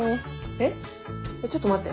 えっちょっと待って。